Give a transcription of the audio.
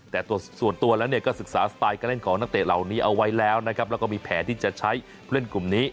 แต่ส่วนตัวแล้วเนี่ยก็ศึกษาสไตล์การเล่นของนักเตะเหล่านี้เอาไว้แล้วนะครับแล้วก็มีแผนที่จะใช้ผู้เล่นกลุ่มนี้